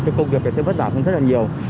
cái công việc này sẽ vất vả hơn rất là nhiều